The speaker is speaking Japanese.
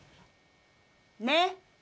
ねっ！